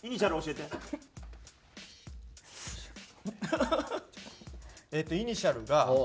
えっとイニシャルが。